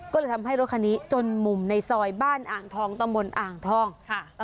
ก็เลยทำให้รถคันนี้จนมุมในซอยบ้านอ่างทองตะมนต์อ่างทองค่ะ